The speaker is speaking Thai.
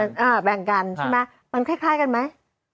แบ่งกันใช่ไหมมันคล้ายกันไหม